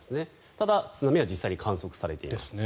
ただ、津波は実際に観測されていると。